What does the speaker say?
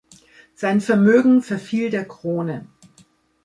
Sein Vermögen verfiel der Krone.